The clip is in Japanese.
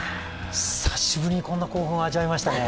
久しぶりにこんな興奮を味わいましたね。